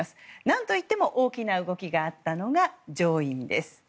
何といっても大きな動きがあったのが上院です。